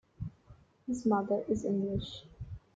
His mother is English.